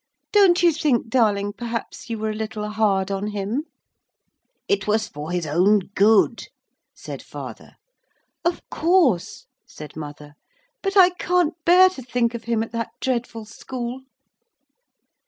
Don't you think, darling, perhaps you were a little hard on him?' 'It was for his own good,' said father. 'Of course,' said mother; 'but I can't bear to think of him at that dreadful school.'